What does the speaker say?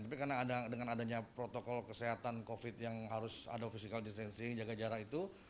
tapi karena dengan adanya protokol kesehatan covid yang harus ada physical distancing jaga jarak itu